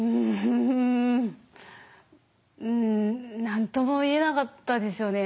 何とも言えなかったですよね。